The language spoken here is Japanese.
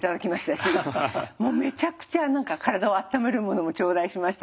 めちゃくちゃ体をあっためるものも頂戴しましたし